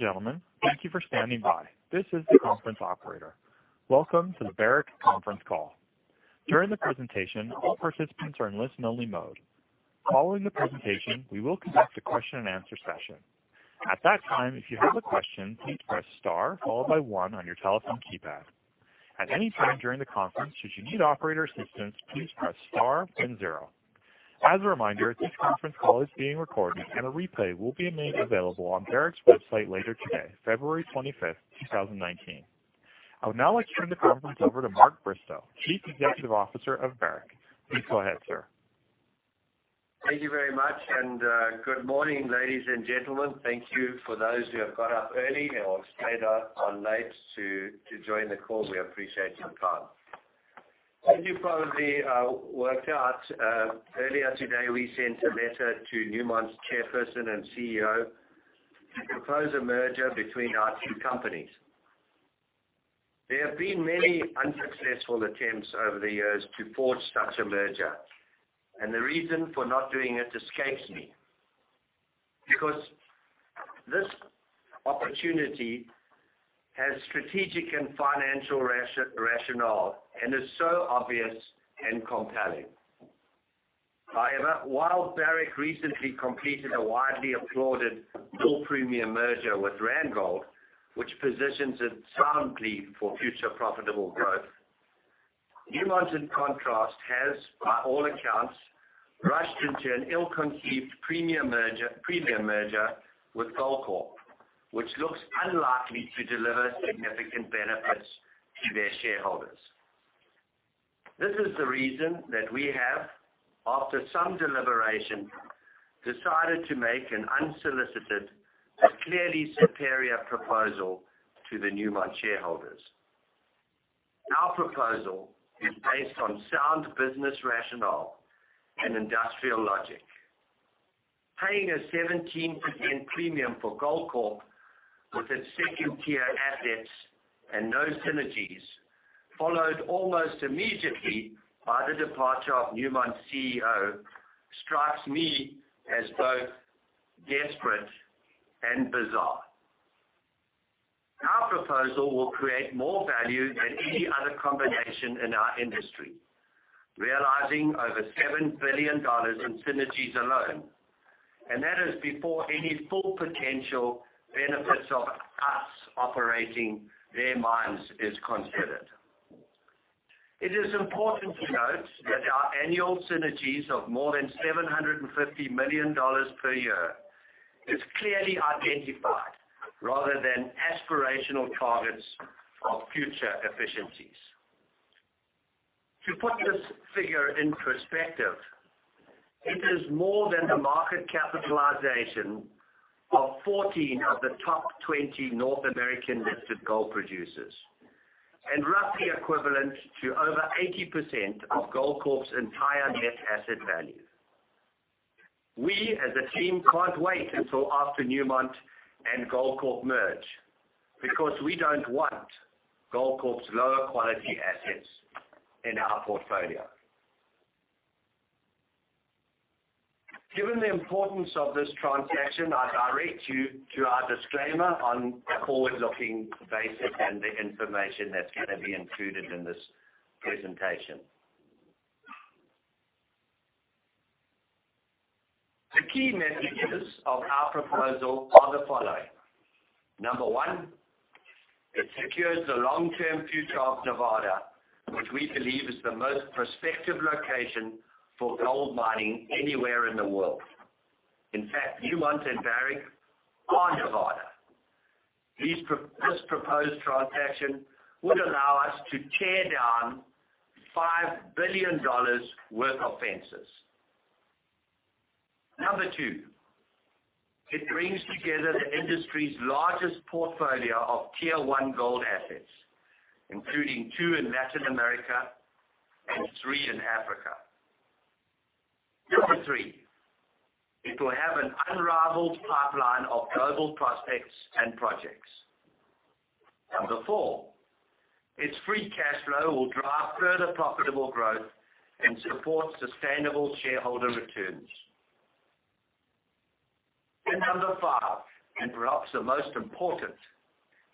Ladies and gentlemen, thank you for standing by. This is the conference operator. Welcome to the Barrick conference call. During the presentation, all participants are in listen only mode. Following the presentation, we will conduct a question and answer session. At that time, if you have a question, please press star followed by 1 on your telephone keypad. At any time during the conference, should you need operator assistance, please press star and 0. As a reminder, this conference call is being recorded and a replay will be made available on Barrick's website later today, February 25th, 2019. I would now like to turn the conference over to Mark Bristow, Chief Executive Officer of Barrick. Please go ahead, sir. Thank you very much. Good morning, ladies and gentlemen. Thank you for those who have got up early or stayed up late to join the call. We appreciate your time. As you probably worked out, earlier today we sent a letter to Newmont's chairperson and CEO to propose a merger between our two companies. There have been many unsuccessful attempts over the years to forge such a merger. The reason for not doing it escapes me. This opportunity has strategic and financial rationale and is so obvious and compelling. However, while Barrick recently completed a widely applauded all-premium merger with Randgold, which positions it soundly for future profitable growth, Newmont, in contrast, has by all accounts, rushed into an ill-conceived premium merger with Goldcorp, which looks unlikely to deliver significant benefits to their shareholders. This is the reason that we have, after some deliberation, decided to make an unsolicited, but clearly superior proposal to the Newmont shareholders. Our proposal is based on sound business rationale and industrial logic. Paying a 17% premium for Goldcorp with its second-tier assets and no synergies, followed almost immediately by the departure of Newmont's CEO strikes me as both desperate and bizarre. Our proposal will create more value than any other combination in our industry, realizing over $7 billion in synergies alone. That is before any full potential benefits of us operating their mines is considered. It is important to note that our annual synergies of more than $750 million per year is clearly identified rather than aspirational targets of future efficiencies. To put this figure in perspective, it is more than the market capitalization of 14 of the top 20 North American-listed gold producers, roughly equivalent to over 80% of Goldcorp's entire net asset value. We, as a team, can't wait until after Newmont and Goldcorp merge because we don't want Goldcorp's lower quality assets in our portfolio. Given the importance of this transaction, I direct you to our disclaimer on forward-looking basis and the information that's going to be included in this presentation. The key messages of our proposal are the following. Number 1, it secures the long-term future of Nevada, which we believe is the most prospective location for gold mining anywhere in the world. In fact, Newmont and Barrick are Nevada. This proposed transaction would allow us to tear down $5 billion worth of fences. Number two, it brings together the industry's largest portfolio of Tier 1 gold assets, including two in Latin America and three in Africa. Number three, it will have an unrivaled pipeline of global prospects and projects. Number four, its free cash flow will drive further profitable growth and support sustainable shareholder returns. Number five, and perhaps the most important,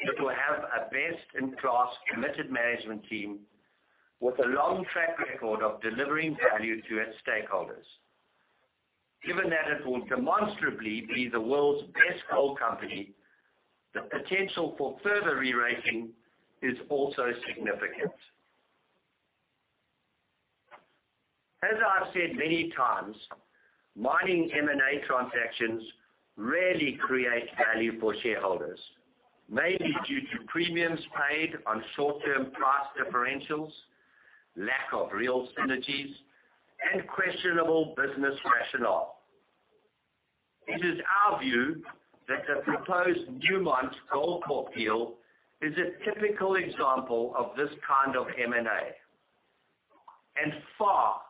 it will have a best-in-class committed management team with a long track record of delivering value to its stakeholders. Given that it will demonstrably be the world's best gold company, the potential for further rerating is also significant. As I've said many times, mining M&A transactions rarely create value for shareholders, mainly due to premiums paid on short-term price differentials, lack of real synergies, and questionable business rationale. It is our view that the proposed Newmont-Goldcorp deal is a typical example of this kind of M&A, far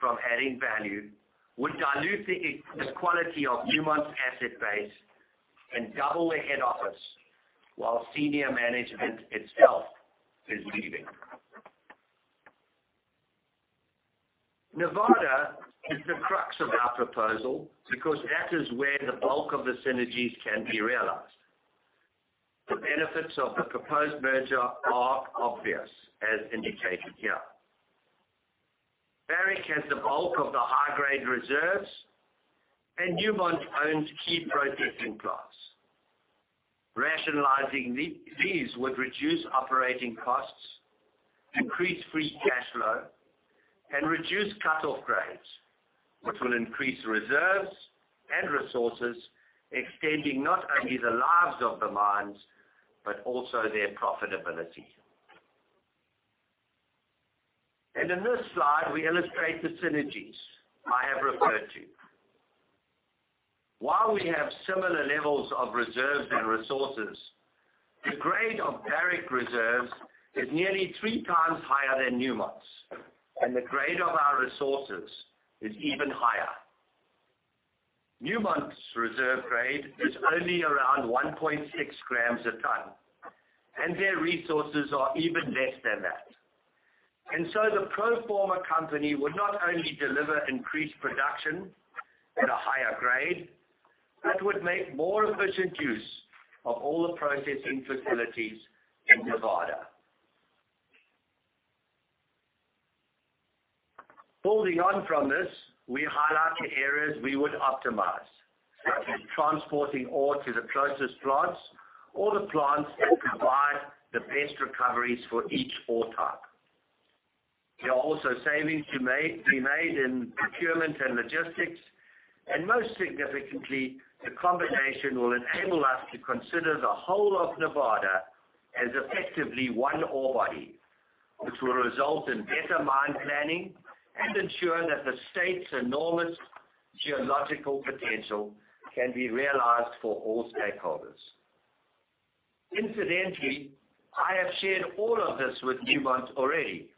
from adding value, would dilute the quality of Newmont's asset base and double their head office while senior management itself is leaving. Nevada is the crux of our proposal because that is where the bulk of the synergies can be realized. The benefits of the proposed merger are obvious, as indicated here. Barrick has the bulk of the high-grade reserves and Newmont owns key processing plants. Rationalizing these would reduce operating costs, increase free cash flow, and reduce cut-off grades, which will increase reserves and resources, extending not only the lives of the mines, but also their profitability. In this slide, we illustrate the synergies I have referred to. While we have similar levels of reserves and resources, the grade of Barrick reserves is nearly three times higher than Newmont's, and the grade of our resources is even higher. Newmont's reserve grade is only around 1.6 grams a ton, and their resources are even less than that. The pro forma company would not only deliver increased production at a higher grade, but would make more efficient use of all the processing facilities in Nevada. Building on from this, we highlight the areas we would optimize, such as transporting ore to the closest plants or the plants that provide the best recoveries for each ore type. There are also savings to be made in procurement and logistics, and most significantly, the combination will enable us to consider the whole of Nevada as effectively one ore body, which will result in better mine planning and ensure that the state's enormous geological potential can be realized for all stakeholders. Incidentally, I have shared all of this with Newmont already,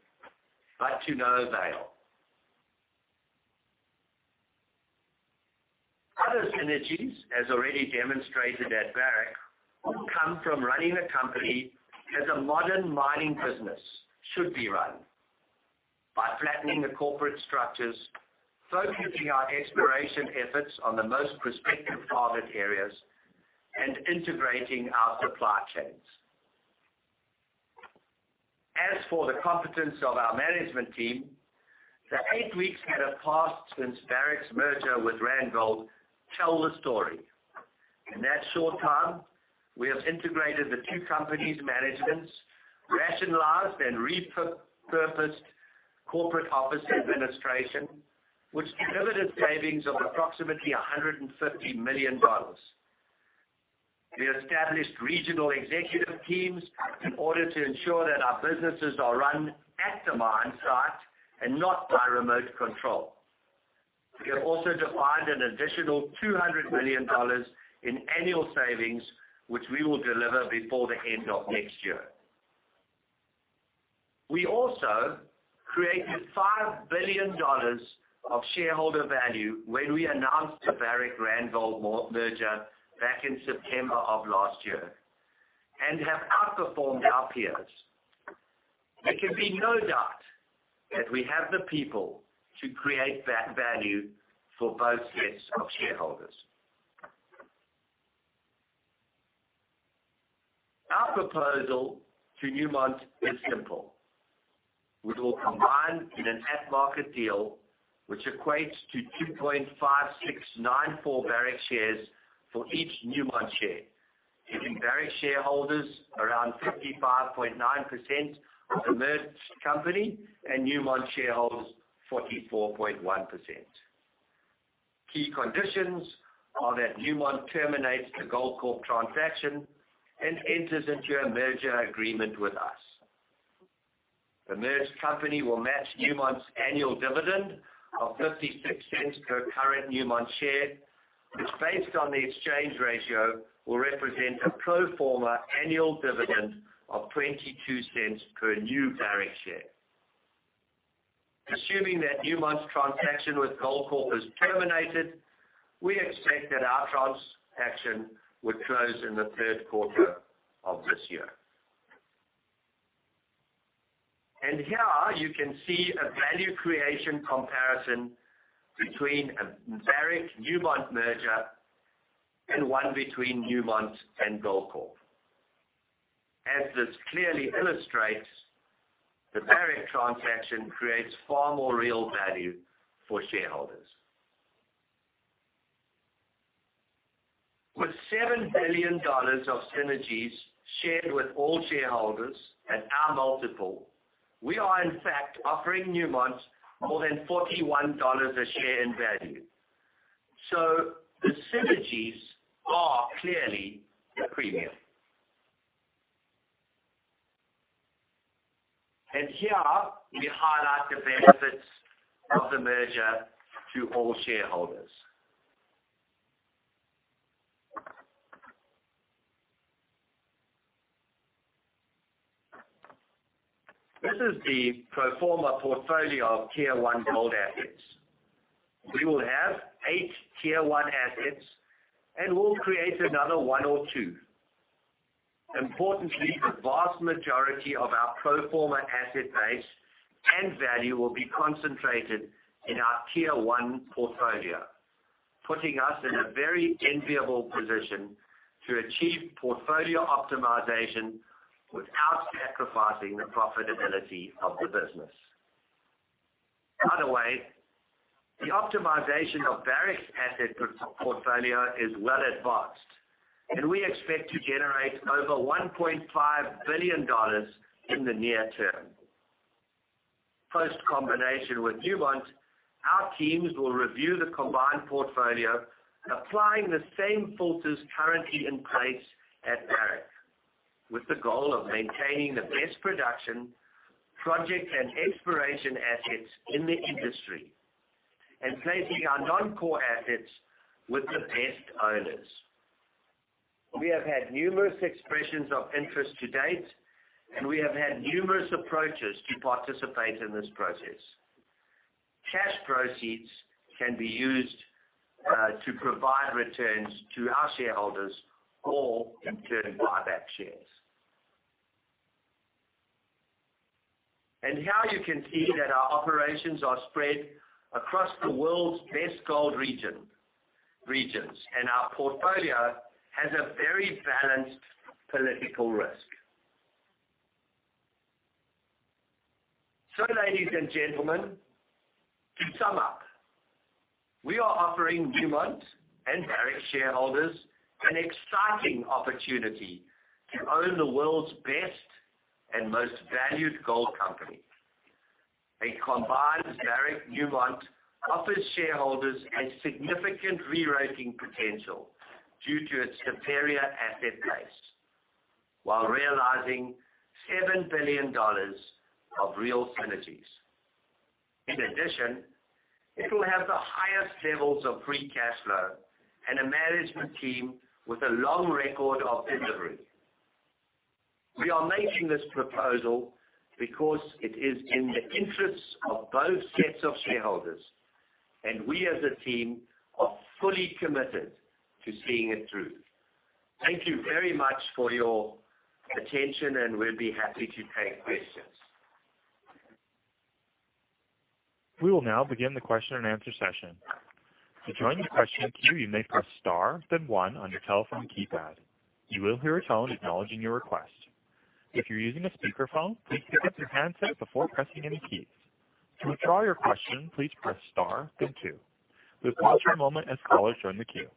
but to no avail. Other synergies, as already demonstrated at Barrick, will come from running the company as a modern mining business should be run, by flattening the corporate structures, focusing our exploration efforts on the most prospective target areas, and integrating our supply chains. As for the competence of our management team, the eight weeks that have passed since Barrick's merger with Randgold tell the story. In that short time, we have integrated the two companies' managements, rationalized and repurposed corporate office administration, which delivered savings of approximately $150 million. We established regional executive teams in order to ensure that our businesses are run at the mine site and not by remote control. We have also defined an additional $200 million in annual savings, which we will deliver before the end of next year. We also created $5 billion of shareholder value when we announced the Barrick-Randgold merger back in September of last year and have outperformed our peers. There can be no doubt that we have the people to create that value for both sets of shareholders. Our proposal to Newmont is simple. We will combine in an at-market deal, which equates to 2.5694 Barrick shares for each Newmont share, giving Barrick shareholders around 55.9% of the merged company and Newmont shareholders 44.1%. Key conditions are that Newmont terminates the Goldcorp transaction and enters into a merger agreement with us. The merged company will match Newmont's annual dividend of $0.56 per current Newmont share, which, based on the exchange ratio, will represent a pro forma annual dividend of $0.22 per new Barrick share. Assuming that Newmont's transaction with Goldcorp is terminated, we expect that our transaction would close in the third quarter of this year. Here you can see a value creation comparison between a Barrick-Newmont merger and one between Newmont and Goldcorp. As this clearly illustrates, the Barrick transaction creates far more real value for shareholders. With $7 billion of synergies shared with all shareholders at our multiple, we are in fact offering Newmont more than $41 a share in value. The synergies are clearly a premium. Here we highlight the benefits of the merger to all shareholders. This is the pro forma portfolio of Tier One gold assets. We will have 8 Tier One assets, and we'll create another one or two. Importantly, the vast majority of our pro forma asset base and value will be concentrated in our Tier One portfolio, putting us in a very enviable position to achieve portfolio optimization without sacrificing the profitability of the business. By the way, the optimization of Barrick's asset portfolio is well advanced, and we expect to generate over $1.5 billion in the near term. Post combination with Newmont, our teams will review the combined portfolio, applying the same filters currently in place at Barrick, with the goal of maintaining the best production, project, and exploration assets in the industry, and placing our non-core assets with the best owners. We have had numerous expressions of interest to date, and we have had numerous approaches to participate in this process. Cash proceeds can be used to provide returns to our shareholders or including buyback shares. Here you can see that our operations are spread across the world's best gold regions, and our portfolio has a very balanced political risk. Ladies and gentlemen, to sum up, we are offering Newmont and Barrick shareholders an exciting opportunity to own the world's best and most valued gold company. A combined Barrick/Newmont offers shareholders a significant rerating potential due to its superior asset base, while realizing $7 billion of real synergies. It will have the highest levels of free cash flow and a management team with a long record of delivery. We are making this proposal because it is in the interests of both sets of shareholders. We as a team are fully committed to seeing it through. Thank you very much for your attention. We'll be happy to take questions. We will now begin the question and answer session. To join the question queue, you may press star, then one on your telephone keypad. You will hear a tone acknowledging your request. If you're using a speakerphone, please pick up your handset before pressing any keys. To withdraw your question, please press star, then two. We'll pause for a moment as callers join the queue.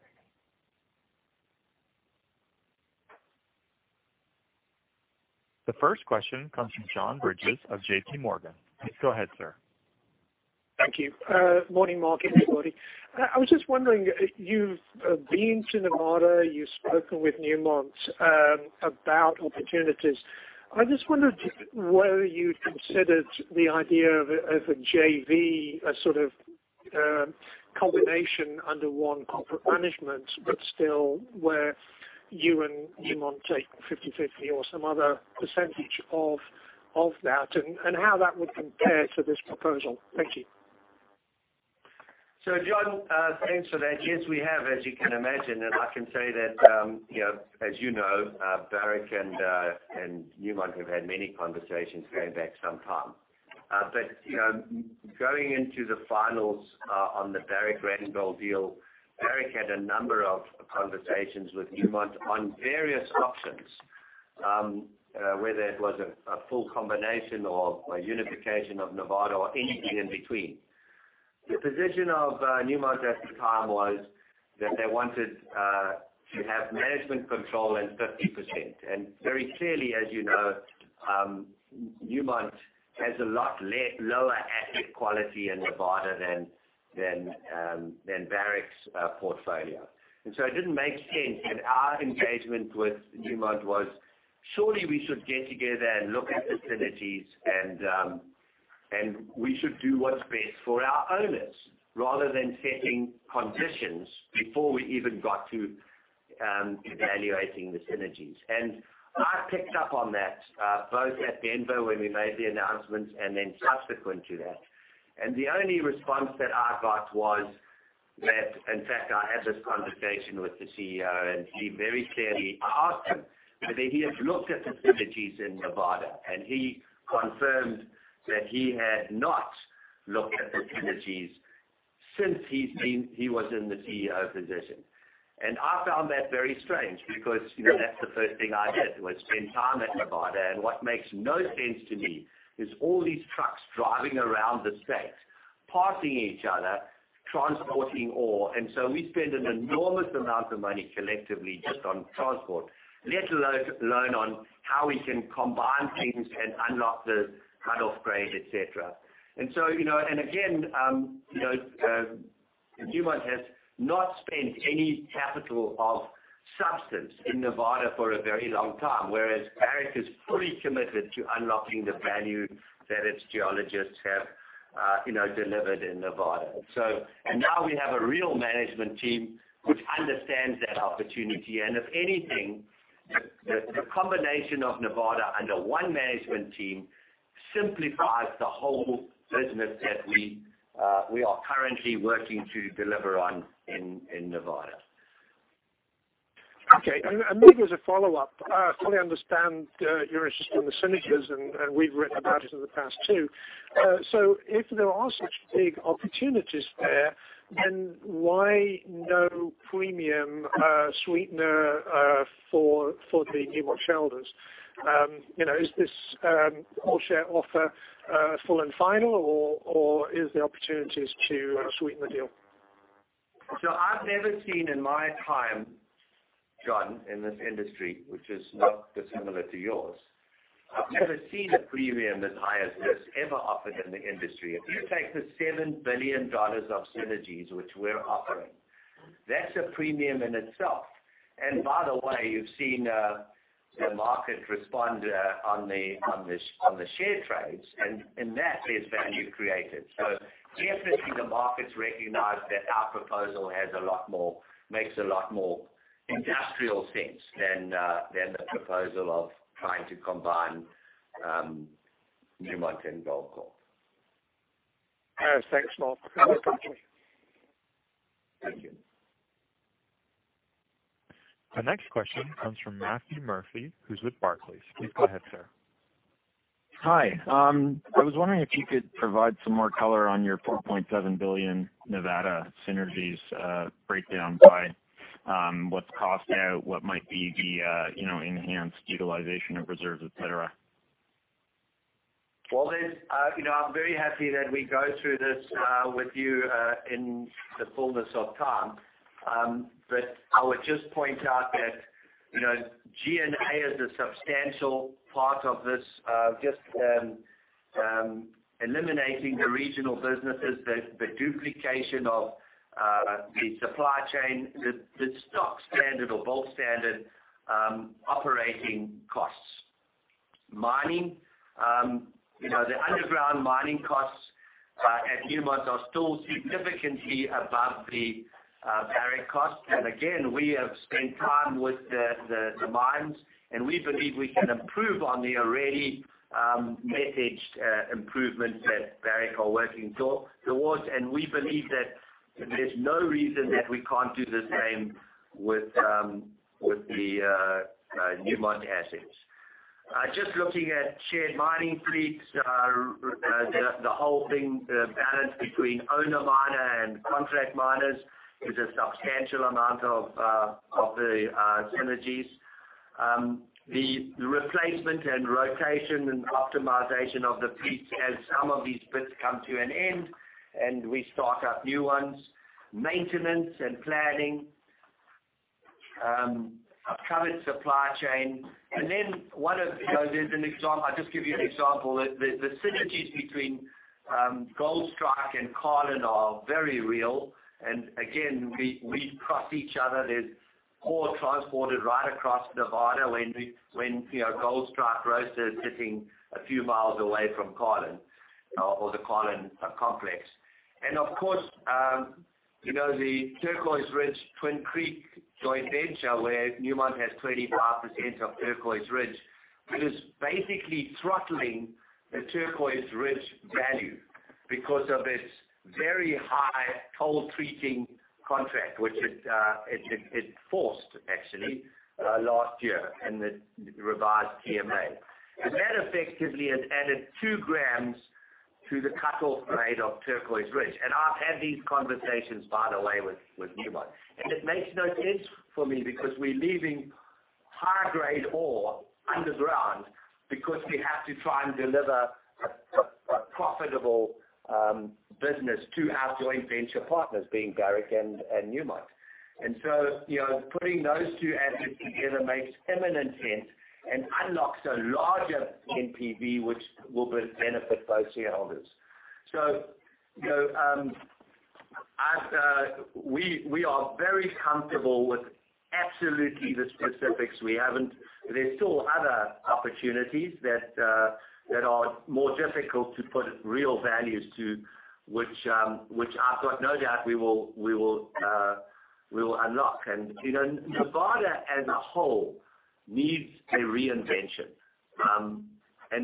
The first question comes from John Bridges of JPMorgan. Please go ahead, sir. Thank you. Morning, Mark, everybody. I was just wondering, you've been to Nevada, you've spoken with Newmont about opportunities. I just wondered whether you'd considered the idea of a JV, a sort of combination under one corporate management, but still where you and Newmont take 50/50 or some other percentage of that. How that would compare to this proposal. Thank you. John, thanks for that. Yes, we have, as you can imagine. I can say that, as you know, Barrick and Newmont have had many conversations going back some time. Going into the finals on the Barrick Randgold deal, Barrick had a number of conversations with Newmont on various options, whether it was a full combination or a unification of Nevada or anything in between. The position of Newmont at the time was that they wanted to have management control and 50%. Very clearly, as you know, Newmont has a lot lower asset quality in Nevada than Barrick's portfolio. It didn't make sense. Our engagement with Newmont was, surely we should get together and look at the synergies and we should do what's best for our owners rather than setting conditions before we even got to evaluating the synergies. I picked up on that, both at Denver, when we made the announcement, then subsequent to that. The only response that I got was that, in fact, I had this conversation with the CEO. I asked him whether he had looked at the synergies in Nevada, and he confirmed that he had not looked at the synergies since he was in the CEO position. I found that very strange because that's the first thing I did, was spend time at Nevada. What makes no sense to me is all these trucks driving around the state, passing each other, transporting ore. We spend an enormous amount of money collectively just on transport, let alone on how we can combine things and unlock the cut-off grade, et cetera. Again, Newmont has not spent any capital of substance in Nevada for a very long time, whereas Barrick is fully committed to unlocking the value that its geologists have delivered in Nevada. Now we have a real management team which understands that opportunity. If anything, the combination of Nevada under one management team simplifies the whole business that we are currently working to deliver on in Nevada. Okay. Maybe as a follow-up, I fully understand you're interested in the synergies, and we've written about it in the past too. If there are such big opportunities there, then why no premium sweetener for the Newmont shareholders? Is this all-share offer full and final, or is there opportunities to sweeten the deal? I've never seen in my time, John, in this industry, which is not dissimilar to yours, I've never seen a premium as high as this ever offered in the industry. If you take the $7 billion of synergies which we're offering, that's a premium in itself. By the way, you've seen the market respond on the share trades, and that is value created. Definitely the markets recognize that our proposal makes a lot more industrial sense than the proposal of trying to combine Newmont and Goldcorp. Thanks, Mark. You're welcome. Thank you. The next question comes from Matthew Murphy, who's with Barclays. Please go ahead, sir. Hi. I was wondering if you could provide some more color on your $4.7 billion Nevada synergies breakdown by what's cost out, what might be the enhanced utilization of reserves, et cetera. Well, I'm very happy that we go through this with you in the fullness of time. I would just point out that G&A is a substantial part of this, just eliminating the regional businesses, the duplication of the supply chain, the stock standard or bolt standard operating costs. Mining, the underground mining costs at Newmont are still significantly above the Barrick cost. Again, we have spent time with the mines, and we believe we can improve on the already messaged improvements that Barrick are working towards. We believe that there's no reason that we can't do the same with the Newmont assets. Just looking at shared mining fleets, the whole thing, the balance between owner miner and contract miners is a substantial amount of the synergies. The replacement and rotation and optimization of the fleet as some of these bits come to an end and we start up new ones, maintenance and planning. I've covered supply chain. Then there's an example. I'll just give you an example. The synergies between Goldstrike and Carlin are very real. Again, we cross each other. There's ore transported right across Nevada when Goldstrike roaster is sitting a few miles away from Carlin or the Carlin complex. Of course, the Turquoise Ridge, Twin Creeks joint venture, where Newmont has 25% of Turquoise Ridge, it is basically throttling the Turquoise Ridge value because of its very high toll treating contract, which it forced actually last year in the revised TMA. That effectively has added two grams to the cut-off grade of Turquoise Ridge. I've had these conversations, by the way, with Newmont, and it makes no sense for me because we're leaving high grade ore underground because we have to try and deliver a profitable business to our joint venture partners being Barrick and Newmont. Putting those two assets together makes eminent sense and unlocks a larger NPV which will benefit both shareholders. We are very comfortable with absolutely the specifics. There's still other opportunities that are more difficult to put real values to, which I've got no doubt we will unlock. Nevada as a whole needs a reinvention.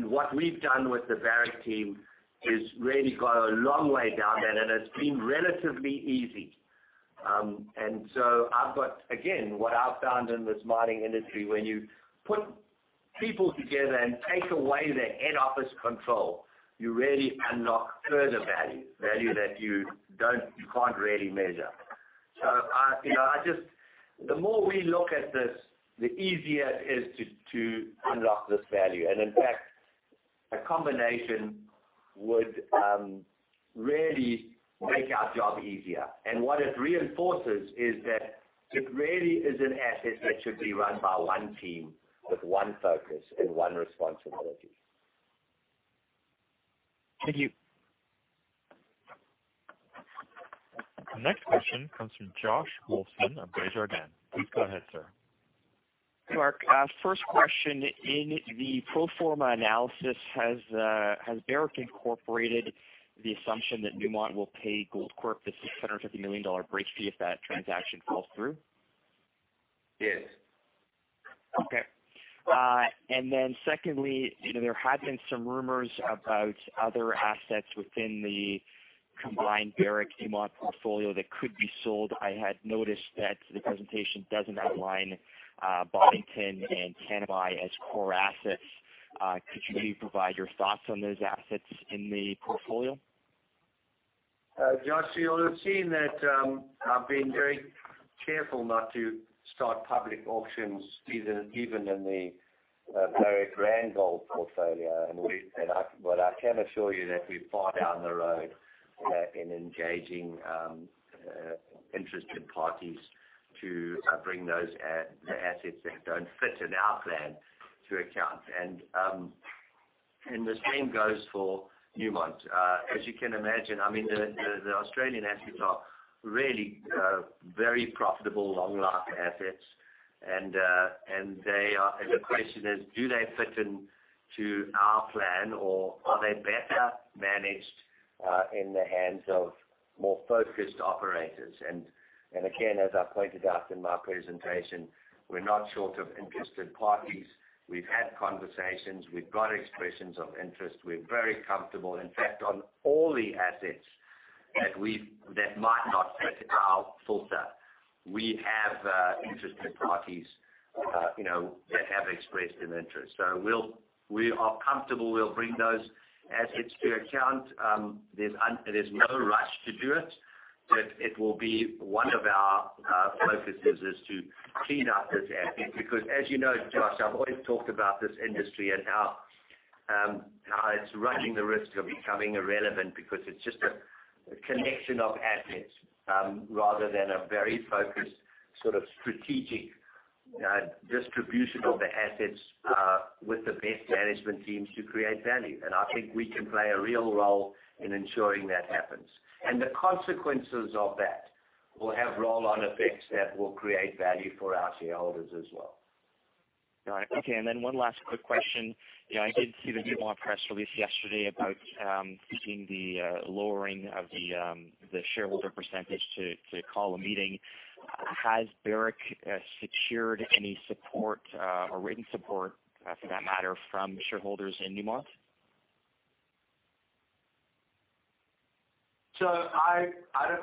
What we've done with the Barrick team has really got a long way down that, and it's been relatively easy. I've got, again, what I've found in this mining industry, when you put people together and take away their head office control, you really unlock further value that you can't really measure. The more we look at this, the easier it is to unlock this value. In fact, a combination would really make our job easier. What it reinforces is that it really is an asset that should be run by one team with one focus and one responsibility. Thank you. The next question comes from Josh Wolfson of Desjardins. Please go ahead, sir. Mark, first question. In the pro forma analysis, has Barrick incorporated the assumption that Newmont will pay Goldcorp the $650 million break fee if that transaction falls through? Yes. Okay. Secondly, there have been some rumors about other assets within the combined Barrick-Newmont portfolio that could be sold. I had noticed that the presentation doesn't outline Boddington and Tanami as core assets. Could you maybe provide your thoughts on those assets in the portfolio? Josh, you'll have seen that I've been very careful not to start public auctions, even in the Barrick Randgold portfolio. I can assure you that we're far down the road in engaging interested parties to bring those assets that don't fit in our plan to account, and the same goes for Newmont. As you can imagine, the Australian assets are really very profitable, long-life assets, and the question is, do they fit into our plan, or are they better managed in the hands of more focused operators? Again, as I pointed out in my presentation, we're not short of interested parties. We've had conversations, we've got expressions of interest. We're very comfortable. In fact, on all the assets that might not fit into our filter, we have interested parties that have expressed an interest. We are comfortable we'll bring those assets to account. There's no rush to do it, but it will be one of our focuses, is to clean up those assets. As you know, Josh, I've always talked about this industry and how it's running the risk of becoming irrelevant because it's just a collection of assets rather than a very focused, sort of strategic distribution of the assets with the best management teams to create value, and I think we can play a real role in ensuring that happens. The consequences of that will have roll-on effects that will create value for our shareholders as well. Got it. One last quick question. I did see the Newmont press release yesterday about seeing the lowering of the shareholder percentage to call a meeting. Has Barrick secured any support, or written support, for that matter, from shareholders in Newmont? I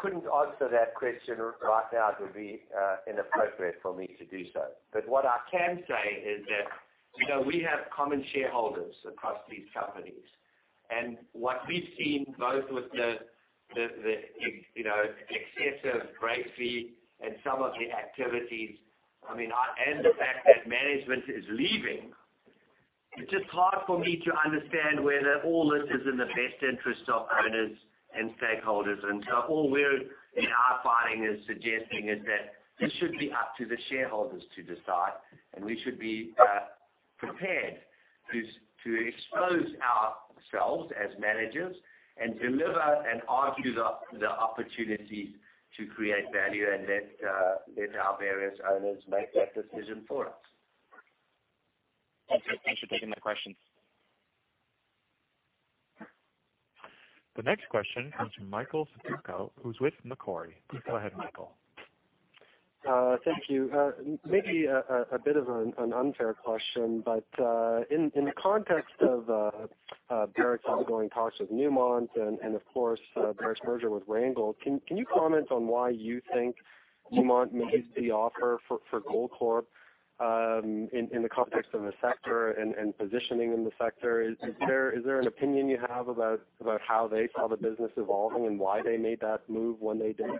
couldn't answer that question right now. It would be inappropriate for me to do so. What I can say is that we have common shareholders across these companies. What we've seen, both with the excessive break fee and some of the activities, and the fact that management is leaving, it's just hard for me to understand whether all this is in the best interest of owners and stakeholders. All we're, in our filing is suggesting is that this should be up to the shareholders to decide, and we should be prepared to expose ourselves as managers and deliver and argue the opportunities to create value and let our various owners make that decision for us. Okay. Thanks for taking my questions. The next question comes from Michael Satukho, who's with Macquarie. Please go ahead, Michael. Thank you. Maybe a bit of an unfair question, but in the context of Barrick's ongoing talks with Newmont and of course, Barrick's merger with Randgold, can you comment on why you think Newmont made the offer for Goldcorp in the context of the sector and positioning in the sector? Is there an opinion you have about how they saw the business evolving and why they made that move when they did?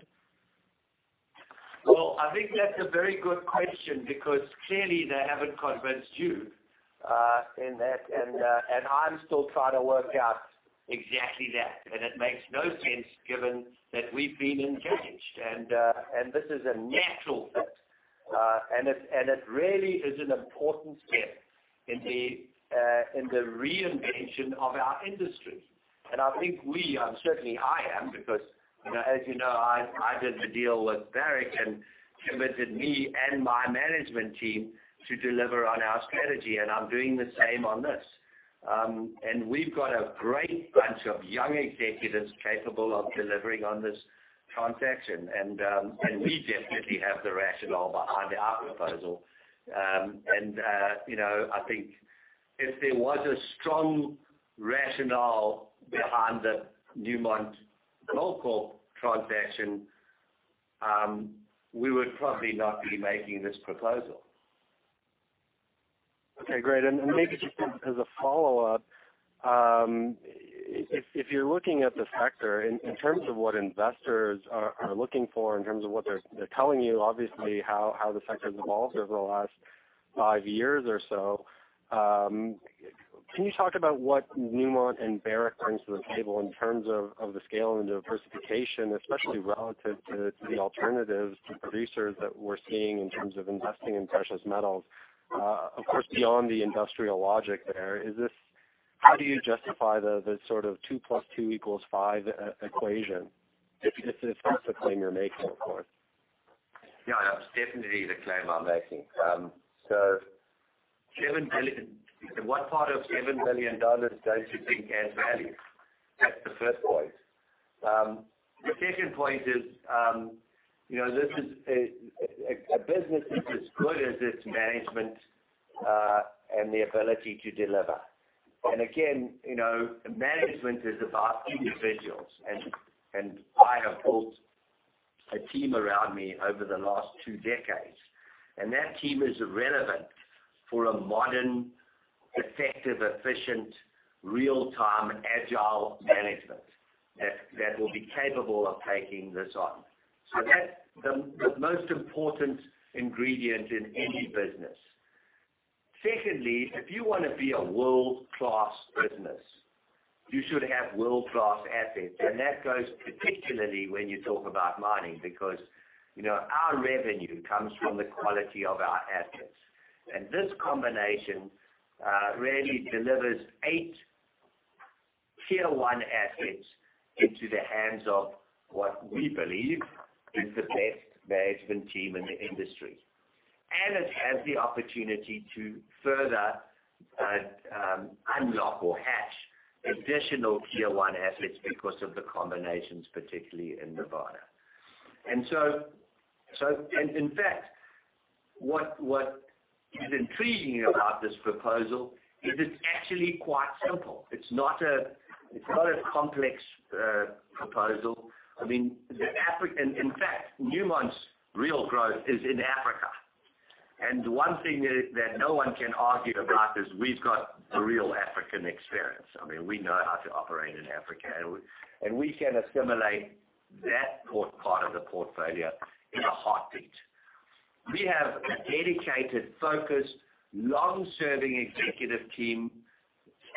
Well, I think that's a very good question because clearly they haven't convinced you, I'm still trying to work out exactly that. It makes no sense given that we've been engaged, this is a natural fit. It really is an important step in the reinvention of our industry. I think we, certainly I am, because as you know, I did the deal with Barrick and committed me and my management team to deliver on our strategy, I'm doing the same on this. We've got a great bunch of young executives capable of delivering on this transaction, we definitely have the rationale behind our proposal. I think if there was a strong rationale behind the Newmont-Goldcorp transaction, we would probably not be making this proposal. Maybe just as a follow-up, if you're looking at the sector in terms of what investors are looking for, in terms of what they're telling you, obviously, how the sector's evolved over the last 5 years or so, can you talk about what Newmont and Barrick bring to the table in terms of the scale and diversification, especially relative to the alternatives to producers that we're seeing in terms of investing in precious metals? Of course, beyond the industrial logic there, how do you justify the sort of 2 plus 2 equals 5 equation? If that's the claim you're making, of course. Yeah, that's definitely the claim I'm making. What part of $7 billion does she think adds value? That's the first point. The second point is, a business is as good as its management and the ability to deliver. Again, management is about individuals, and I have built a team around me over the last 2 decades, and that team is relevant for a modern, effective, efficient, real-time agile management that will be capable of taking this on. That's the most important ingredient in any business. Secondly, if you want to be a world-class business, you should have world-class assets. That goes particularly when you talk about mining, because our revenue comes from the quality of our assets. This combination really delivers 8 tier 1 assets into the hands of what we believe is the best management team in the industry. It has the opportunity to further unlock or hash additional tier 1 assets because of the combinations, particularly in Nevada. In fact, what is intriguing about this proposal is it's actually quite simple. It's not a complex proposal. In fact, Newmont's real growth is in Africa. One thing that no one can argue about is we've got the real African experience. We know how to operate in Africa, and we can assimilate that part of the portfolio in a heartbeat. We have a dedicated, focused, long-serving executive team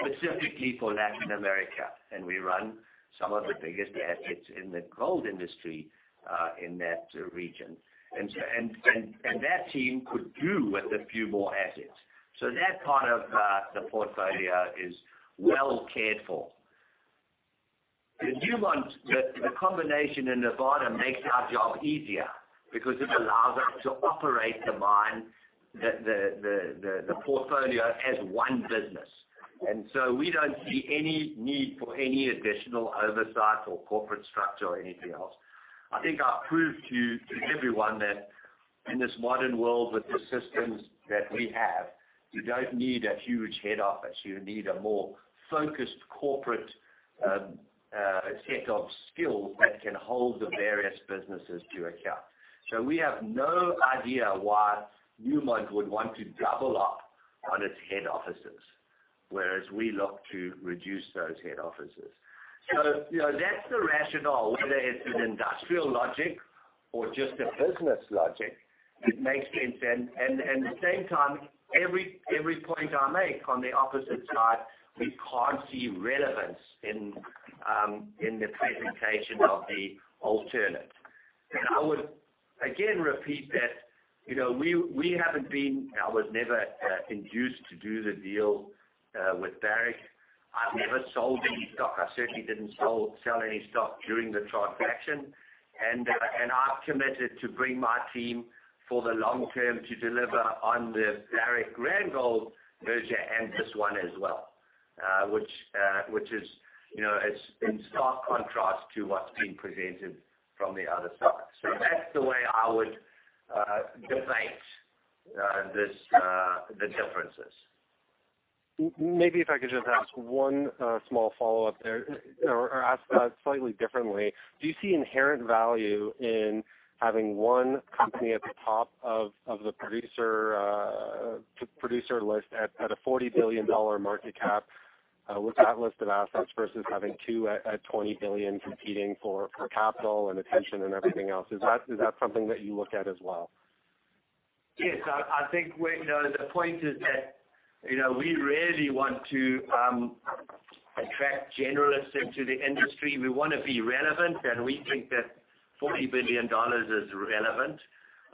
specifically for Latin America, and we run some of the biggest assets in the gold industry in that region. That team could do with a few more assets. That part of the portfolio is well cared for. The combination in Nevada makes our job easier because it allows us to operate the mine, the portfolio as one business. We don't see any need for any additional oversight or corporate structure or anything else. I think I've proved to everyone that in this modern world, with the systems that we have, you don't need a huge head office. You need a more focused corporate set of skills that can hold the various businesses to account. We have no idea why Newmont would want to double up on its head offices, whereas we look to reduce those head offices. That's the rationale. Whether it's an industrial logic or just a business logic, it makes sense. At the same time, every point I make on the opposite side, we can't see relevance in the presentation of the alternate. I would again repeat that we haven't been, I was never induced to do the deal with Barrick. I've never sold any stock. I certainly didn't sell any stock during the transaction. I've committed to bring my team for the long term to deliver on the Barrick Randgold merger and this one as well, which is in stark contrast to what's being presented from the other side. That's the way I would debate the differences. Maybe if I could just ask one small follow-up there or ask slightly differently. Do you see inherent value in having one company at the top of the producer list at a $40 billion market cap with that list of assets versus having two at $20 billion competing for capital and attention and everything else? Is that something that you look at as well? Yes, I think the point is that we really want to attract generalists into the industry. We want to be relevant, and we think that $40 billion is relevant.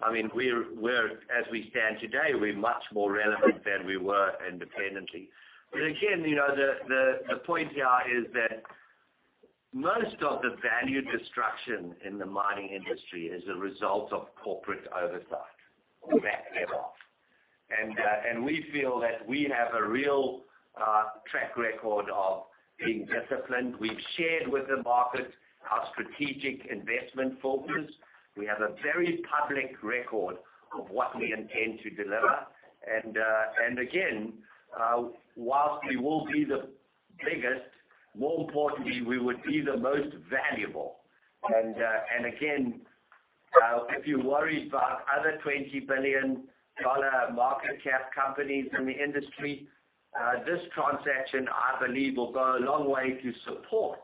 As we stand today, we're much more relevant than we were independently. Again, the point here is that most of the value destruction in the mining industry is a result of corporate oversight or lack thereof. We feel that we have a real track record of being disciplined. We've shared with the market our strategic investment focus. We have a very public record of what we intend to deliver. Again, whilst we will be the biggest, more importantly, we would be the most valuable. Again, if you're worried about other $20 billion market cap companies in the industry, this transaction, I believe, will go a long way to support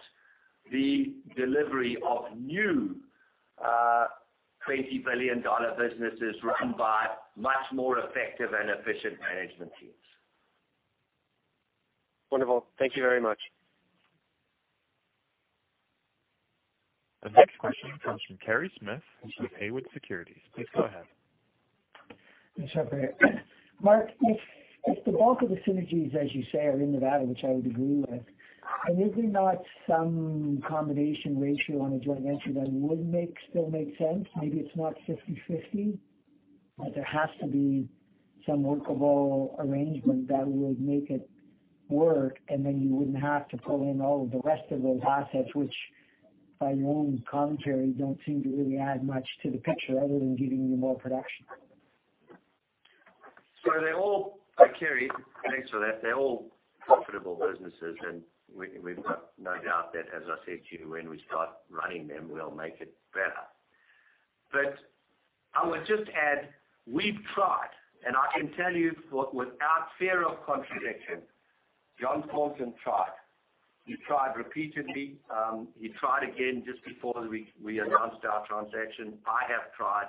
the delivery of new $20 billion businesses run by much more effective and efficient management teams. Wonderful. Thank you very much. The next question comes from Kerry Smith with Haywood Securities. Please go ahead. Thanks, operator. Mark, if the bulk of the synergies, as you say, are in Nevada, which I would agree with, is there not some combination ratio on a joint venture that would still make sense? Maybe it's not 50/50. There has to be some workable arrangement that would make it work, and then you wouldn't have to pull in all of the rest of those assets, which by your own commentary, don't seem to really add much to the picture other than giving you more production. Kerry, thanks for that. They're all profitable businesses, and we've got no doubt that, as I said to you, when we start running them, we'll make it better. I would just add, we've tried, and I can tell you without fear of contradiction, John Thornton tried. He tried repeatedly. He tried again just before we announced our transaction. I have tried.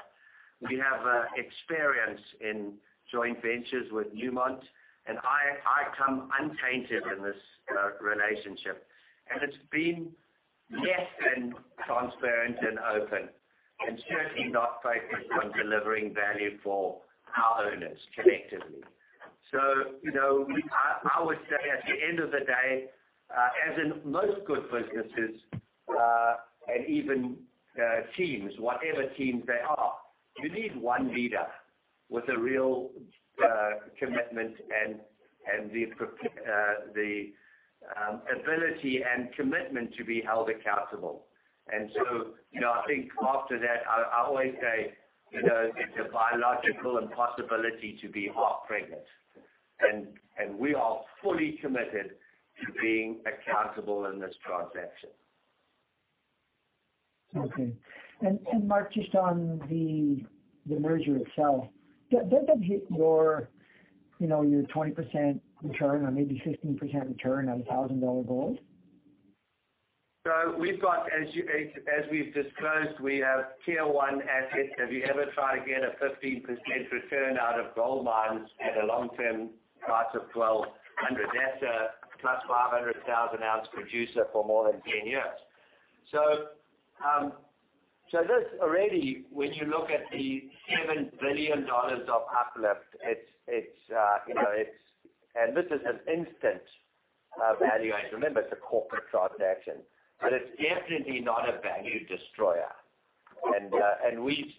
We have experience in joint ventures with Newmont, and I come untainted in this relationship. It's been less than transparent and open, and certainly not focused on delivering value for our owners collectively. I would say at the end of the day, as in most good businesses, and even teams, whatever teams they are, you need one leader with a real commitment and the ability and commitment to be held accountable. I think after that, I always say, it's a biological impossibility to be half-pregnant, and we are fully committed to being accountable in this transaction. Okay. Mark, just on the merger itself, does that hit your 20% return or maybe 15% return on $1,000 gold? We've got, as we've disclosed, we have tier 1 assets. Have you ever tried to get a 15% return out of gold mines at a long-term price of $1,200? That's a plus 500,000-ounce producer for more than 10 years. This already, when you look at the $7 billion of uplift, and this is an instant valuation. Remember, it's a corporate transaction, but it's definitely not a value destroyer.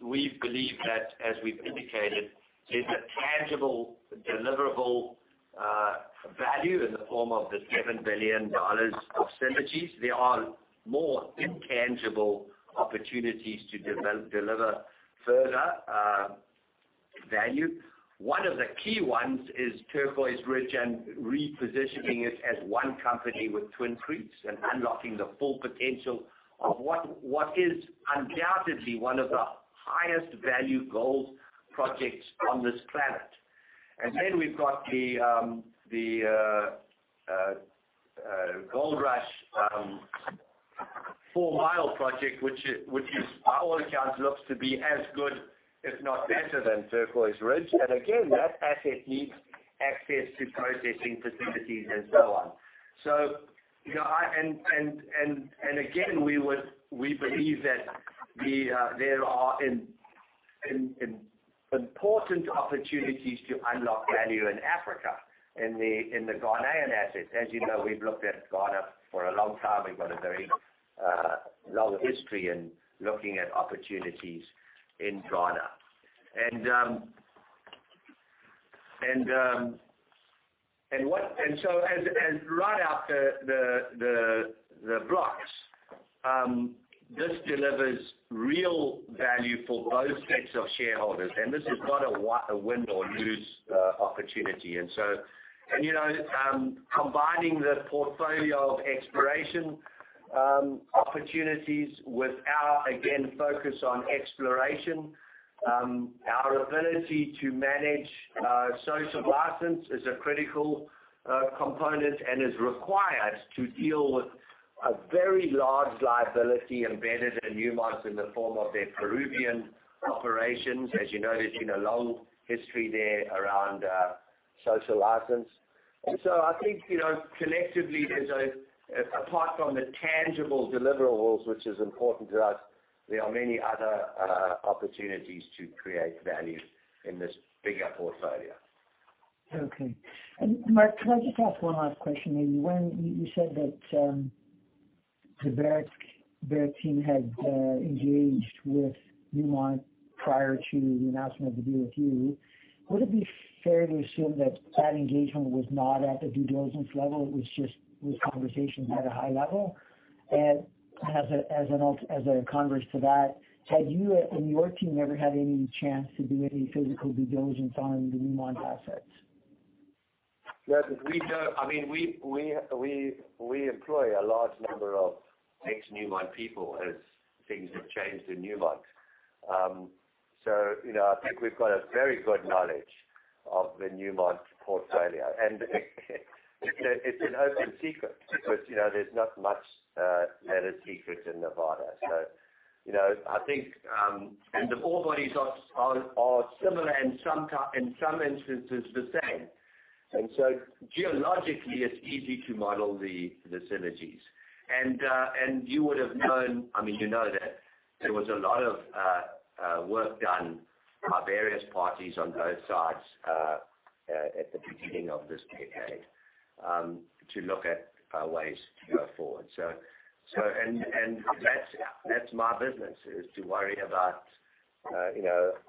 We believe that, as we've indicated, there's a tangible deliverable value in the form of the $7 billion of synergies. There are more intangible opportunities to deliver further value. One of the key ones is Turquoise Ridge and repositioning it as one company with Twin Creeks and unlocking the full potential of what is undoubtedly one of the highest value gold projects on this planet. We've got the Goldrush-Fourmile project, which by all accounts looks to be as good, if not better, than Turquoise Ridge. Again, that asset needs access to processing facilities and so on. Again, we believe that there are important opportunities to unlock value in Africa, in the Ghanaian assets. As you know, we've looked at Ghana for a long time. We've got a very long history in looking at opportunities in Ghana. As right out the blocks, this delivers real value for both sets of shareholders, and this is not a win or lose opportunity. Combining the portfolio of exploration opportunities with our, again, focus on exploration our ability to manage social license is a critical component and is required to deal with a very large liability embedded in Newmont in the form of their Peruvian operations. As you know, there's been a long history there around social license. I think, collectively, apart from the tangible deliverables, which is important to us, there are many other opportunities to create value in this bigger portfolio. Okay. Mark, can I just ask one last question? Maybe when you said that the Barrick team had engaged with Newmont prior to the announcement of the deal with you, would it be fair to assume that that engagement was not at the due diligence level? It was just conversations at a high level? As a converse to that, had you and your team ever had any chance to do any physical due diligence on the Newmont assets? I mean, we employ a large number of ex-Newmont people as things have changed in Newmont. I think we've got a very good knowledge of the Newmont portfolio. It's an open secret because there's not much that is secret in Nevada. I think the ore bodies are similar and in some instances the same. Geologically, it's easy to model the synergies. You would have known, I mean, you know that there was a lot of work done by various parties on both sides at the beginning of this decade to look at ways to go forward. That's my business, is to worry about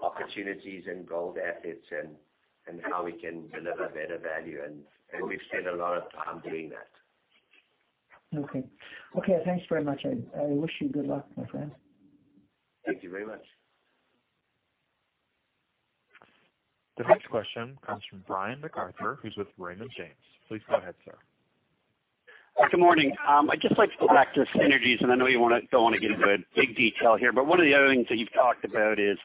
opportunities and gold assets and how we can deliver better value. We spend a lot of time doing that. Okay. Thanks very much. I wish you good luck, my friend. Thank you very much. The next question comes from Brian MacArthur, who's with Raymond James. Please go ahead, sir. Good morning. I know you don't want to get into it, big detail here. One of the other things that you've talked about is,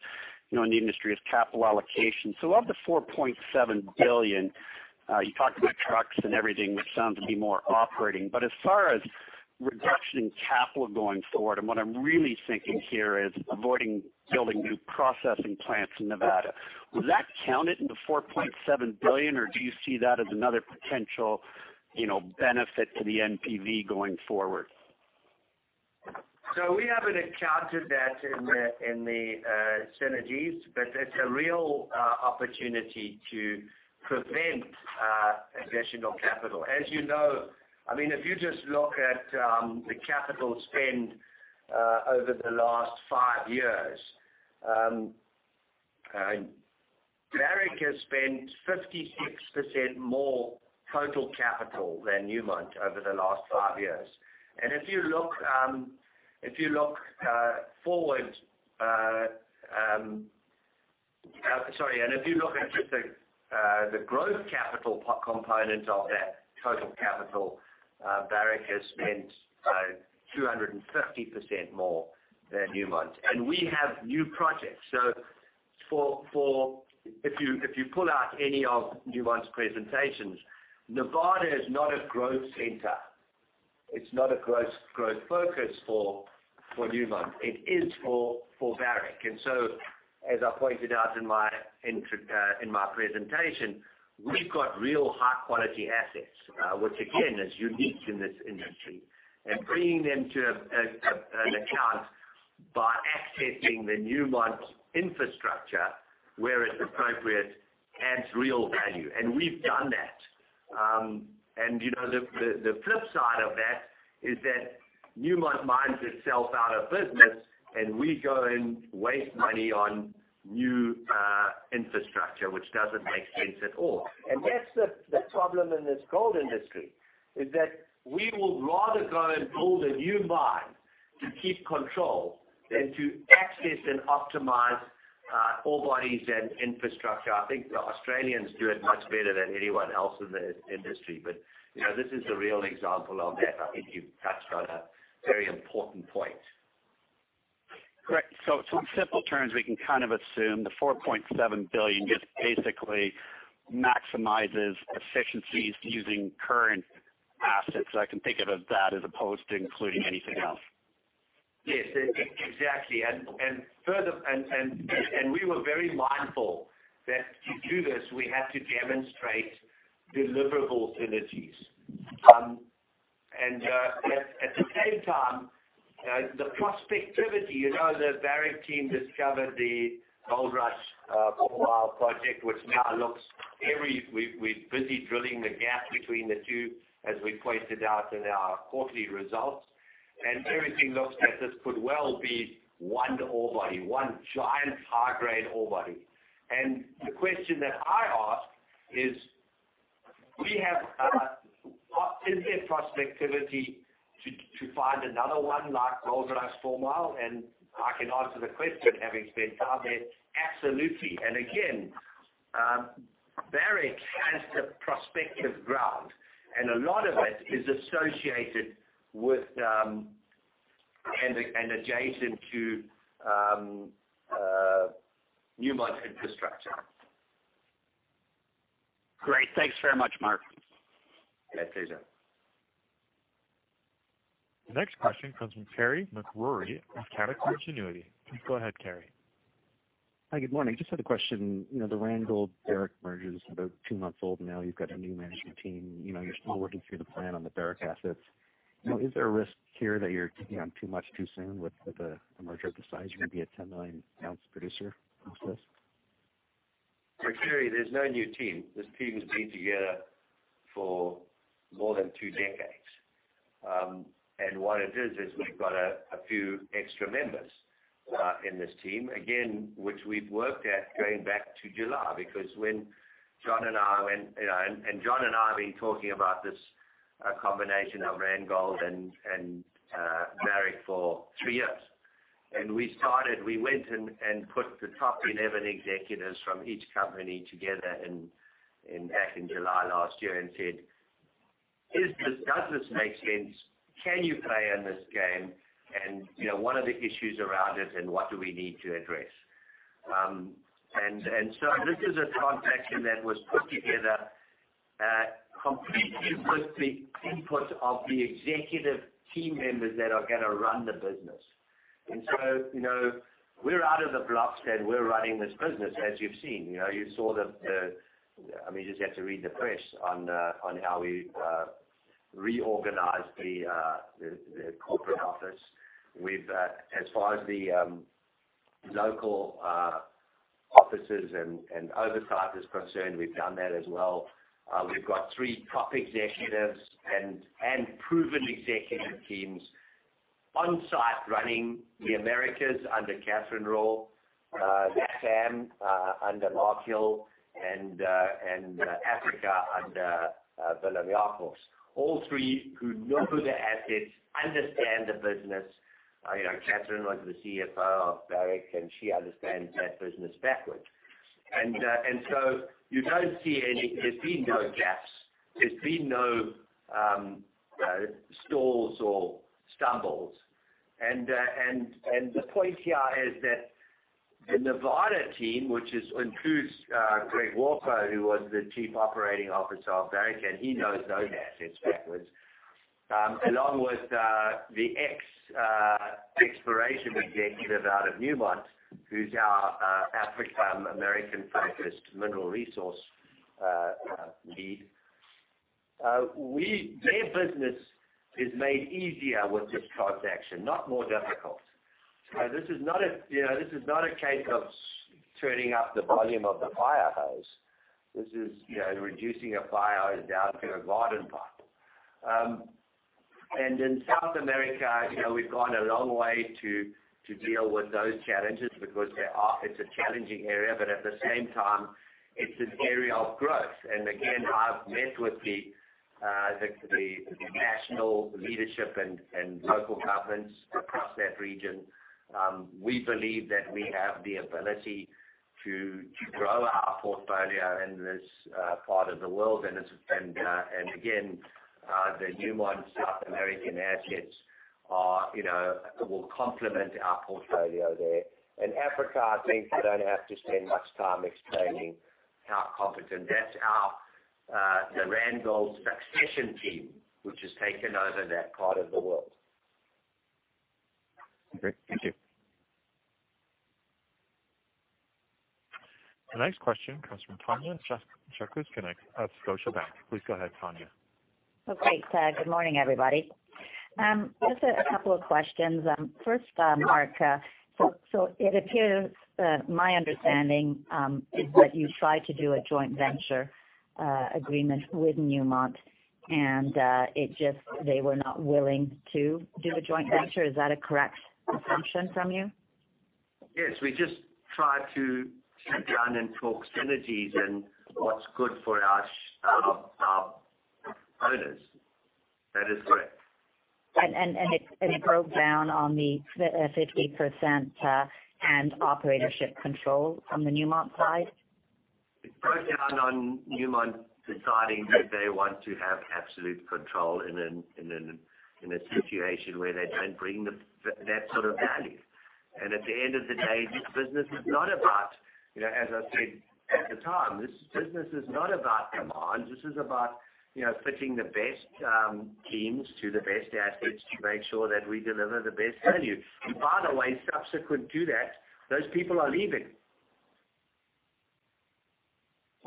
in the industry, is capital allocation. Of the $4.7 billion, you talked about trucks and everything, which sound to be more operating. As far as reduction in capital going forward, and what I'm really thinking here is avoiding building new processing plants in Nevada. Would that count it into $4.7 billion, or do you see that as another potential benefit to the NPV going forward? We haven't accounted that in the synergies, but it's a real opportunity to prevent additional capital. As you know, if you just look at the capital spend over the last five years, Barrick has spent 56% more total capital than Newmont over the last five years. If you look into the growth capital component of that total capital, Barrick has spent 250% more than Newmont. We have new projects. If you pull out any of Newmont's presentations, Nevada is not a growth center. It's not a growth focus for Newmont. It is for Barrick. As I pointed out in my presentation, we've got real high-quality assets, which again, is unique in this industry. Bringing them to an account by accessing the Newmont infrastructure where it's appropriate adds real value, and we've done that. The flip side of that is that Newmont mines itself out of business and we go and waste money on new infrastructure, which doesn't make sense at all. That's the problem in this gold industry, is that we would rather go and build a new mine to keep control than to access and optimize ore bodies and infrastructure. I think the Australians do it much better than anyone else in the industry. This is a real example of that. I think you've touched on a very important point. Correct. In simple terms, we can kind of assume the $4.7 billion just basically maximizes efficiencies using current assets. I can think of that as opposed to including anything else. Yes, exactly. We were very mindful that to do this, we had to demonstrate deliverable synergies. At the same time, the prospectivity, the Barrick team discovered the Goldrush Fourmile project. We're busy drilling the gap between the two, as we pointed out in our quarterly results. Everything looks that this could well be one ore body, one giant high-grade ore body. The question that I ask is there prospectivity to find another one like Goldrush Fourmile? I can answer the question, having spent time there. Absolutely. Again, Barrick has the prospective ground, and a lot of it is associated with and adjacent to Newmont infrastructure. Great. Thanks very much, Mark. My pleasure. The next question comes from Carey MacRury of Canaccord Genuity. Please go ahead, Carey. Hi. Good morning. Just had a question. The Randgold Barrick merger is about two months old now. You've got a new management team. You're still working through the plan on the Barrick assets. Is there a risk here that you're taking on too much too soon with a merger of this size? You're going to be a 10-million-ounce producer from this. Carey, there's no new team. This team has been together for more than two decades. What it is is we've got a few extra members in this team, again, which we've worked at going back to July. When John and I went, and John and I have been talking about this combination of Randgold and Barrick for three years. We started, we went and put the top 11 executives from each company together back in July last year and said, "Does this make sense? Can you play in this game? What are the issues around it, and what do we need to address?" This is a transaction that was put together completely with the input of the executive team members that are going to run the business. We're out of the blocks and we're running this business, as you've seen. I mean, you just have to read the press on how we've reorganized the corporate office. As far as the local offices and oversight is concerned, we've done that as well. We've got three top executives and proven executive teams on site running the Americas under Catherine Raw, LATAM under Mark Bristow, and Africa under Willem Jacobs. All three who know the assets, understand the business. Catherine was the CFO of Barrick, and she understands that business backwards. There's been no gaps. There's been no stalls or stumbles. The point here is that the Nevada team, which includes Greg Walker, who was the Chief Operating Officer of Barrick, and he knows those assets backwards, along with the ex-exploration executive out of Newmont, who's our Africa- and America-focused mineral resource lead. Their business is made easier with this transaction, not more difficult. This is not a case of turning up the volume of the fire hose. This is reducing a fire hose down to a garden pipe. In South America, we've gone a long way to deal with those challenges because it's a challenging area, but at the same time, it's an area of growth. Again, I've met with the national leadership and local governments across that region. We believe that we have the ability to grow our portfolio in this part of the world, and again, the Newmont South American assets will complement our portfolio there. Africa, I think you don't have to spend much time explaining our competence. That's our Randgold succession team, which has taken over that part of the world. Great. Thank you. The next question comes from Tanya Jakusconek of Scotiabank. Please go ahead, Tanya. Okay. Good morning, everybody. Just a couple of questions. First, Mark, it appears, my understanding is that you tried to do a joint venture agreement with Newmont, they were not willing to do a joint venture. Is that a correct assumption from you? Yes. We just tried to sit down and talk synergies and what's good for our owners. That is correct. It broke down on the 50% and operatorship control from the Newmont side? It broke down on Newmont deciding that they want to have absolute control in a situation where they don't bring that sort of value. At the end of the day, this business is not about, as I said at the time, this business is not about demand. This is about fitting the best teams to the best assets to make sure that we deliver the best value. By the way, subsequent to that, those people are leaving.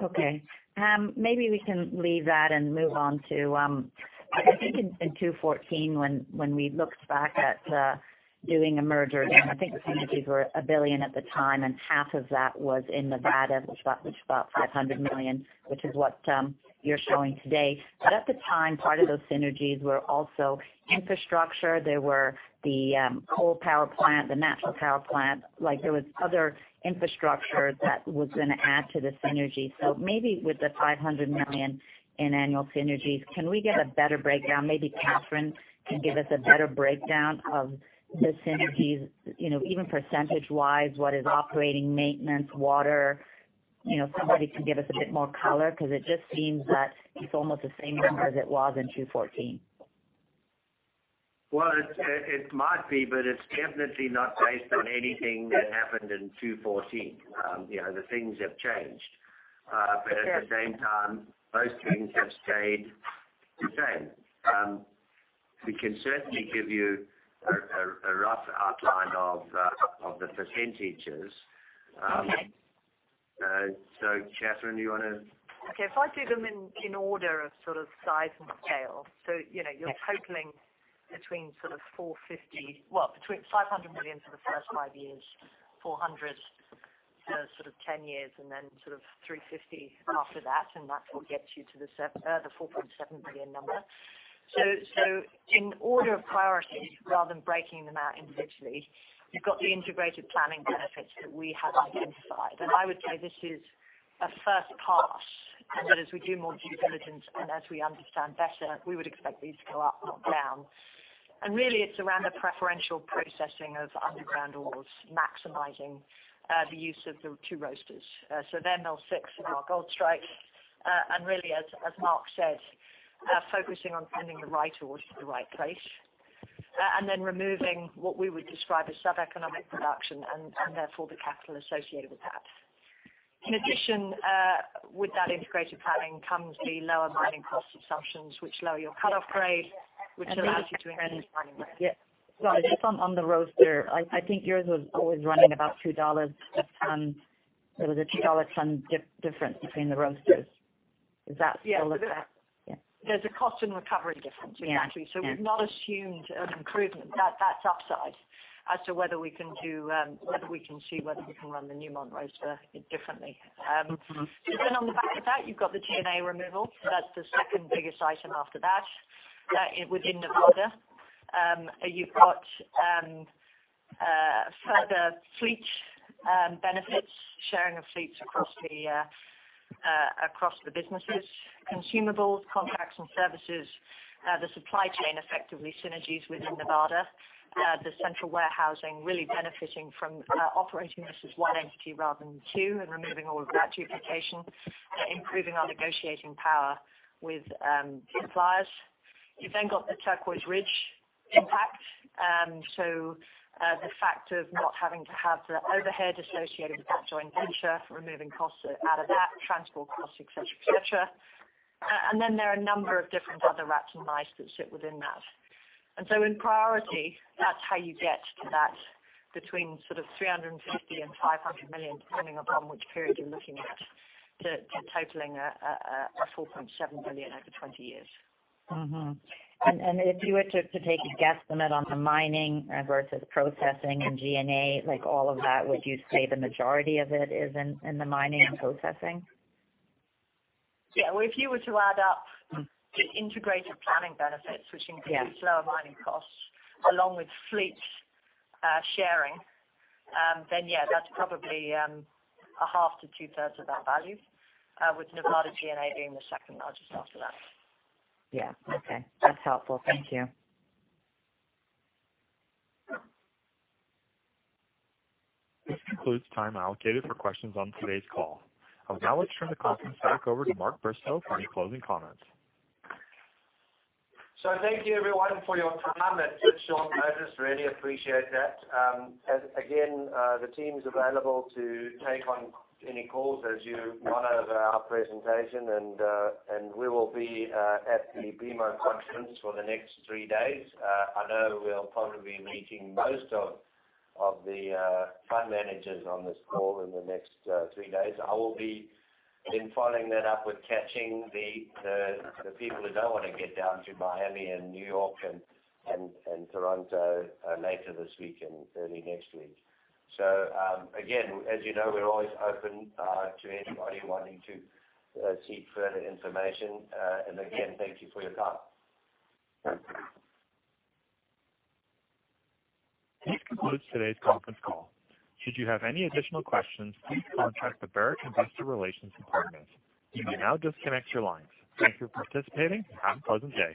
Okay. Maybe we can leave that and move on to, I think in 2014 when we looked back at doing a merger, and I think the synergies were $1 billion at the time, and half of that was in Nevada, which is about $500 million, which is what you're showing today. At the time, part of those synergies were also infrastructure. There were the coal power plant, the natural power plant. There was other infrastructure that was going to add to the synergy. Maybe with the $500 million in annual synergies, can we get a better breakdown? Maybe Catherine can give us a better breakdown of the synergies, even percentage-wise, what is operating maintenance, water? Somebody can give us a bit more color, because it just seems that it's almost the same number as it was in 2014. Well, it might be, it's definitely not based on anything that happened in 2014. The things have changed. At the same time, most things have stayed the same. We can certainly give you a rough outline of the percentages. Okay. Catherine, do you want to? Okay. If I do them in order of size and scale. You're totaling between $500 million for the first five years, $400 million for sort of 10 years, and then $350 million after that, and that will get you to the $4.7 billion number. In order of priority, rather than breaking them out individually, you've got the integrated planning benefits that we have identified. I would say this is a first pass, and that as we do more due diligence and as we understand better, we would expect these to go up, not down. Really it's around the preferential processing of underground ores, maximizing the use of the two roasters. Mill Six and our Goldstrike, and really as Mark said, focusing on sending the right ores to the right place. Removing what we would describe as sub-economic production and therefore the capital associated with that. In addition, with that integrated planning comes the lower mining cost assumptions, which lower your cut-off grade, which allows you to increase mining rates. Sorry, just on the roaster, I think yours was always running about $2 a ton. There was a $2 million difference between the roasters. Yes. Is that still the case? There's a cost and recovery difference exactly. Yeah. We've not assumed an improvement. That's upside as to whether we can see whether we can run the Newmont roaster differently. On the back of that, you've got the G&A removal. That's the second biggest item after that, within Nevada. You've got further fleet benefits, sharing of fleets across the businesses, consumables, contracts and services, the supply chain effectively synergies within Nevada. The central warehousing really benefiting from operating this as one entity rather than two and removing all of that duplication, improving our negotiating power with suppliers. You've got the Turquoise Ridge impact. The fact of not having to have the overhead associated with that joint venture, removing costs out of that, transport costs, et cetera. There are a number of different other rats and mice that sit within that. In priority, that's how you get to that between sort of $350 million-$500 million, depending upon which period you're looking at, to totaling a $4.7 billion over 20 years. If you were to take a guesstimate on the mining versus processing and G&A, like all of that, would you say the majority of it is in the mining and processing? Yeah. Well, if you were to add up the integrated planning benefits, which includes lower mining costs along with fleet sharing, then yeah, that's probably a half to two-thirds of that value, with Nevada G&A being the second largest after that. Yeah. Okay. That's helpful. Thank you. This concludes time allocated for questions on today's call. I would now like to turn the conference back over to Mark Bristow for any closing comments. Thank you everyone for your time and patience. Really appreciate that. Again, the team's available to take on any calls as you want over our presentation and we will be at the BMO conference for the next three days. I know we'll probably be meeting most of the fund managers on this call in the next three days. I will be then following that up with catching the people who don't want to get down to Miami and New York and Toronto later this week and early next week. Again, as you know, we're always open to anybody wanting to seek further information. Again, thank you for your time. This concludes today's conference call. Should you have any additional questions, please contact the Barrick Investor Relations department. You may now disconnect your lines. Thank you for participating and have a pleasant day.